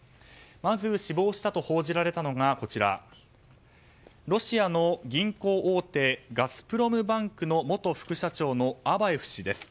まず死亡したと報じられたのがロシアの銀行大手ガスプロムバンクの元副社長のアバエフ氏です。